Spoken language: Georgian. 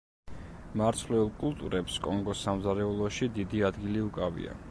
მარცვლეულ კულტურებს კონგოს სამზარეულოში დიდი ადგილი უკავია.